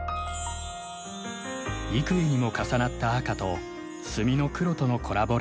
幾重にも重なった赤と墨の黒とのコラボレーション。